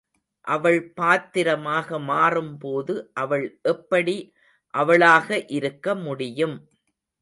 அவள் பாத்திரமாக மாறும்போது அவள் எப்படி அவளாக இருக்க முடியும்.